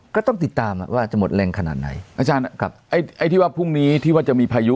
ก็ต้องติดตามอ่ะว่าจะหมดแรงขนาดไหนอาจารย์ครับไอ้ไอ้ที่ว่าพรุ่งนี้ที่ว่าจะมีพายุ